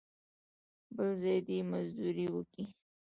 بل ځای دې مزدوري وکي.